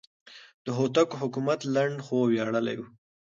د هوتکو حکومت لنډ خو ویاړلی و.